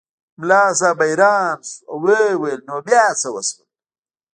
ملا صاحب حیران شو او ویې ویل نو بیا څه وشول.